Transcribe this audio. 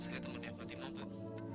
saya temannya fatima bok